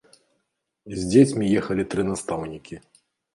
З дзецьмі ехалі тры настаўнікі.